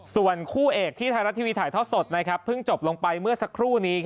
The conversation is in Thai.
ส่วนคู่เอกที่ไทยรัฐทีวีถ่ายทอดสดเพิ่งจบลงไปเมื่อสักครู่นี้